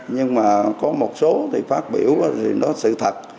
nhưng mà có một số thì phát biểu thì nó sự thật